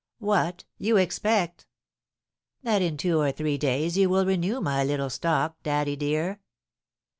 "What! You expect " "That in two or three days you will renew my little stock, daddy dear."